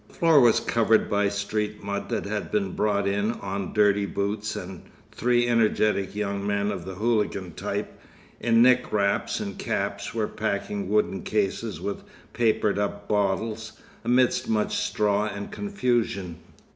The floor was covered by street mud that had been brought in on dirty boots, and three energetic young men of the hooligan type, in neck wraps and caps, were packing wooden cases with papered up bottles, amidst much straw and confusion.